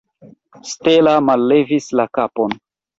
Stella mallevis la kapon.